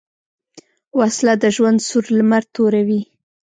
وسله د ژوند سور لمر توروي